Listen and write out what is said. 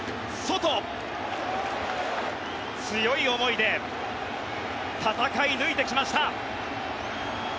強い思いで戦い抜いてきました。